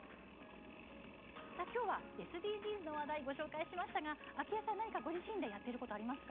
きょうはＳＤＧｓの話題をご紹介しましたがあきえさん何かご自身でやっていることありますか。